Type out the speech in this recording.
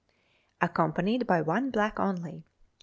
Accompanied by one Black only.